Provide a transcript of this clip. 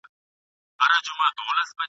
ډنبار، پر دې برسېره ..